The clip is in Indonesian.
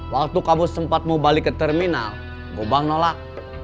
waktu kamu sempat mau balik ke terminal gobang nolak